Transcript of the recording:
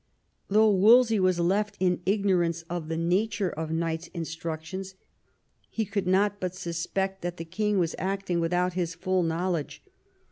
Though Wolsey was left in ignorance of the nature of Knight's instructions, he could not but suspect that the king was acting without his full knowledge.